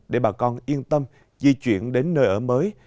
để bà con yên tâm di chuyển đến nơi ở mới